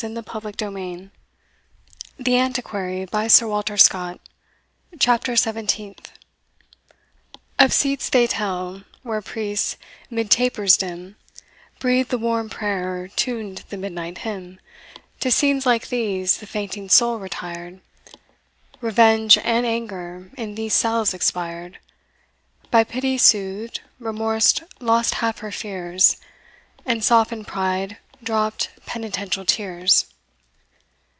" And with this ageement the friends separated. CHAPTER SEVENTEENTH. Of seats they tell, where priests, 'mid tapers dim, Breathed the warm prayer, or tuned the midnight hymn To scenes like these the fainting soul retired; Revenge and Anger in these cells expired: By Pity soothed, Remorse lost half her fears, And softened Pride dropped penitential tears.